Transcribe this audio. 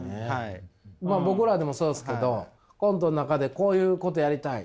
まあ僕らでもそうですけどコントの中でこういうことやりたい。